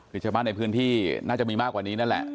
คือชาวบ้านในพื้นที่น่าจะมีมากกว่านี้นั่นแหละ